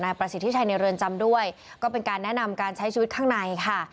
ประสิทธิชัยในเรือนจำด้วยก็เป็นการแนะนำการใช้ชีวิตข้างในค่ะ